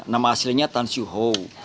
nama hasilnya tan xu hou